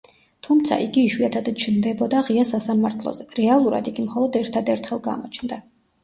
თუმცა, იგი იშვიათად ჩნდებოდა ღია სასამართლოზე; რეალურად, იგი მხოლოდ ერთადერთხელ გამოჩნდა.